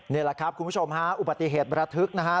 นี่แหละครับคุณผู้ชมฮะอุบัติเหตุระทึกนะฮะ